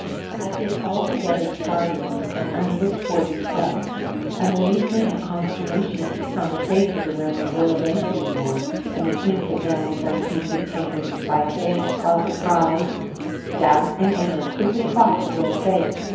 At this altogether startling and unlooked for request, amazement and consternation appeared on the faces around the royal banqueting board, and the King put down his untasted tankard of spiced ale, while surprise, doubt and anger quickly crossed the royal face.